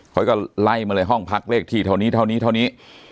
เขาก็ไล่มาเลยห้องพักเลขที่เท่านี้เท่านี้เท่านี้